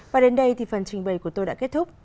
và đến đây thì phần trình bày của tôi đã kết thúc